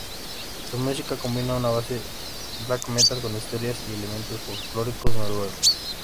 Su música combina una base "black metal" con historias y elementos folclóricos noruegos.